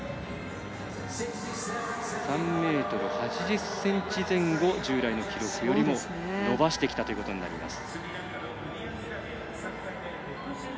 ３ｍ８０ｃｍ前後従来の記録よりも伸ばしてきたということになります。